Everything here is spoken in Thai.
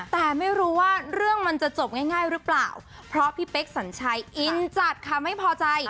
แต่ไม่รู้ว่าเรื่องมันจะจบง่ายหรือเปล่าเพราะพี่เป๊กสัญชัยอินจัดค่ะไม่พอใจ